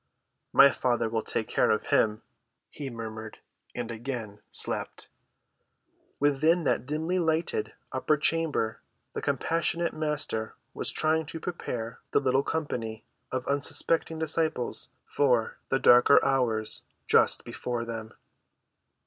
"My Father will take care of him," he murmured, and again slept. Within that dimly‐lighted upper chamber the compassionate Master was trying to prepare the little company of unsuspecting disciples for the darker hours just before them.